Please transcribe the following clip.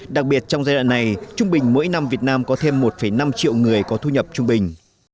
đặc biệt trong giai đoạn này trung bình mỗi năm việt nam có thêm một năm triệu người có thu nhập trung bình